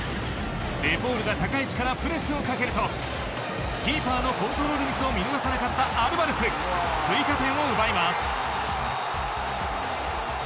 デポールが高い位置からプレスをかけるとキーパーのコントロールミスを見逃さなかったアルヴァレス追加点を奪います。